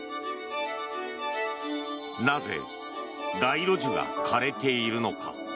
なぜ街路樹が枯れているのか。